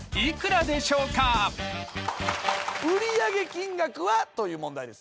「売上金額は？」という問題です。